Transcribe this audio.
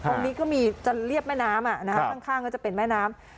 ตรงนี้ก็มีจะเรียบแม่น้ำข้างก็จะเป็นแม่น้ำ